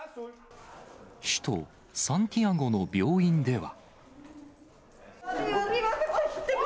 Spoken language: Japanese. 首都サンティアゴの病院では。